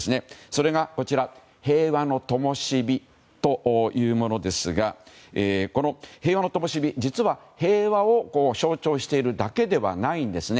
それがこちら平和の灯というものですがこの平和の灯実は平和を象徴しているだけではないんです。